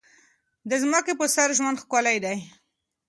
د ځمکې په سر ژوند ډېر ښکلی دی.